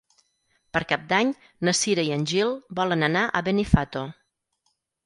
Per Cap d'Any na Cira i en Gil volen anar a Benifato.